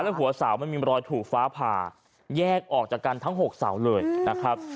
แล้วหัวเสามันมีรอยถูกฟ้าผ่าแยกออกจากกันทั้ง๖เสาเลยนะครับ